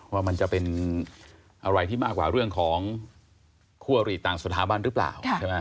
ว่ามันจะเป็นอะไรที่มากกว่าเรื่องของคั่วหรี่ต่างสถาบันหรือเปล่าใช่ไหม